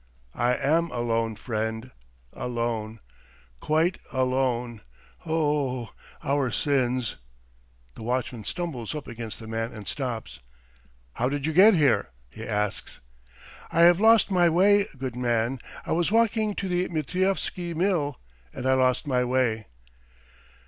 "I am alone, friend, alone. Quite alone. O o oh our sins. ..." The watchman stumbles up against the man and stops. "How did you get here?" he asks. "I have lost my way, good man. I was walking to the Mitrievsky Mill and I lost my way."